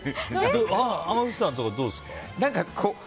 濱口さんとか、どうですか？